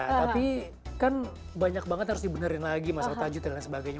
tapi kan banyak banget harus di benerin lagi masalah tajud dan lain sebagainya